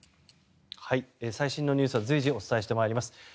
最新のニュースは随時お伝えしてまいります。